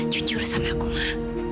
jujur sama aku ma